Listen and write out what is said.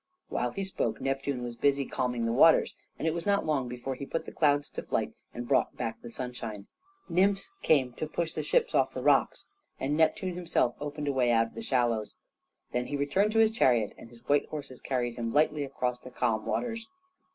While he spoke Neptune was busy calming the waters, and it was not long before he put the clouds to flight and brought back the sunshine. Nymphs came to push the ships off the rocks, and Neptune himself opened a way out of the shallows. Then he returned to his chariot, and his white horses carried him lightly across the calm waters.